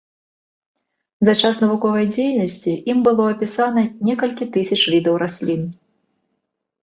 За час навуковай дзейнасці ім было апісана некалькі тысяч відаў раслін.